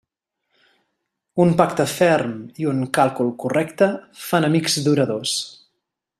Un pacte ferm i un càlcul correcte fan amics duradors.